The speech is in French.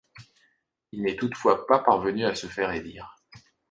Il n'est toutefois pas parvenu à se faire élire.